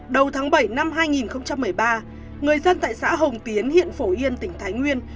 đầu tháng bảy năm hai nghìn một mươi ba người dân tại xã hồng tiến huyện phổ yên tỉnh thái nguyên